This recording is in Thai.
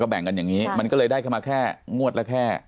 แบ่งกันอย่างนี้มันก็เลยได้เข้ามาแค่งวดละแค่